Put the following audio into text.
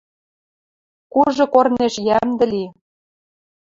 Кужы корнеш йӓмдӹ ли.